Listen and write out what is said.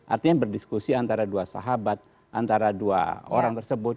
artinya berdiskusi antara dua sahabat antara dua orang tersebut